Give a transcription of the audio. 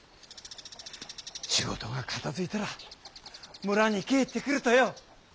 仕事が片づいたら村に帰ってくるとよ。